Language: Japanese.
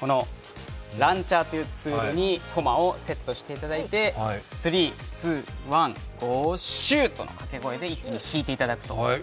このランチャーというツールにこまをセットしていただいて「３・２・１ＧＯシュート！」のかけ声で引いていただきます。